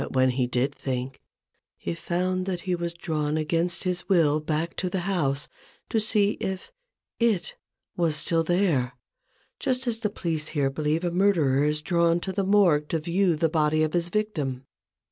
But when he did think, he found that he was drawn against his will back to the house to see if // was still there : just as the police here believe a murderer is drawn to the Morgue to view the body of his victim.